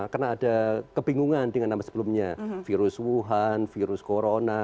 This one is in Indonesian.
karena ada kebingungan dengan nama sebelumnya virus wuhan virus corona